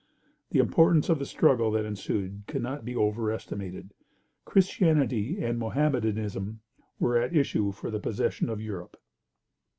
The importance of the struggle that ensued cannot well be over estimated. Christianity and Mohammedanism were at issue for the possession of Europe.